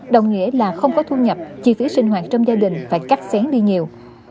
đồng nghĩa là không có thu nhập chi phí sinh hoạt trong gia đình phải cắt xén đi nhiều